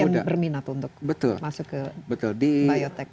yang berminat untuk masuk ke biotek